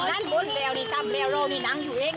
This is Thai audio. วันนั้นบุญแล้วนี่จับแล้วเรามีหนังอยู่เอง